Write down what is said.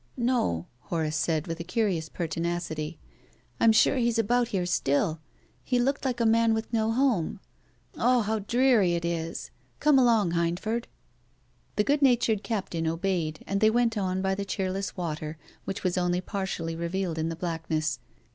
" No," Horace said, with a curious pertinacity; " I'm sure he's about here still. He looked like a man with no home. Ugh ! how dreary it is ! Come along, Hindford." The good natured Captain obeyed, and they went on by the cheerless water, which was only partially revealed in the blackness.